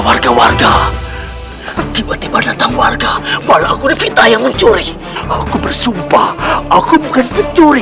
warga warga tiba tiba datang warga baru aku devita yang mencuri aku bersumpah aku bukan pencuri